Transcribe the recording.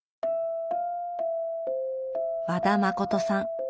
和田誠さん。